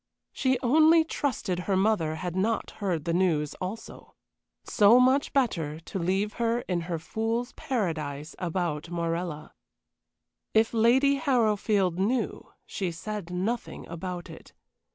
She only trusted her mother had not heard the news also. So much better to leave her in her fool's paradise about Morella. If Lady Harrowfield knew, she said nothing about it.